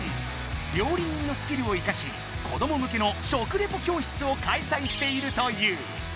料理人のスキルを生かし子どもむけの食レポ教室をかいさいしているという。